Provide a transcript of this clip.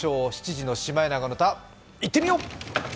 ７時の「シマエナガの歌」いってみよう！